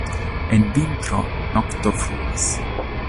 En vintro, nokto fruas.